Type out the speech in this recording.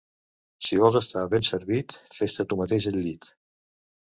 Si vols estar ben servit, fes-te tu mateix el llit.